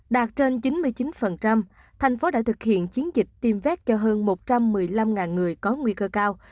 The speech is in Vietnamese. đạt trên chín mươi chín thành phố đã thực hiện chiến dịch tiêm vét cho hơn một trăm một mươi năm người có nguy cơ cao